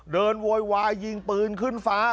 โวยวายยิงปืนขึ้นฟ้า